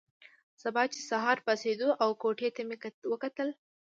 سبا چې سهار پاڅېدو او کوټې ته مې وکتل.